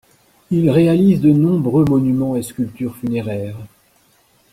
Il réalise de nombreux monuments et sculptures funéraires.